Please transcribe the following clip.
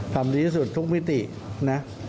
ทำดีที่สุดทุกมิตินะ